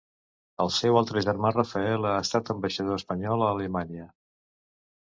El seu altre germà Rafael ha estat ambaixador espanyol a Alemanya.